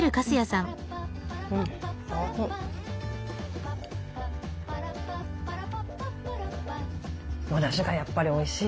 おだしがやっぱりおいしい。